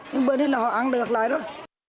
nhưng bờ này là họ ăn được lại rồi